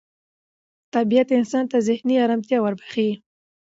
طبیعت انسان ته ذهني ارامتیا وربخښي